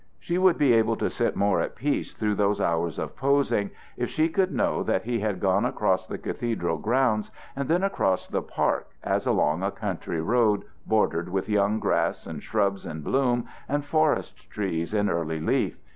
She would be able to sit more at peace through those hours of posing if she could know that he had gone across the cathedral grounds and then across the park as along a country road bordered with young grass and shrubs in bloom and forest trees in early leaf.